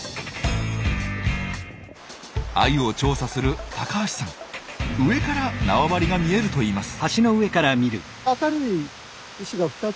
アユを調査する高橋さん上から縄張りが見えると言います。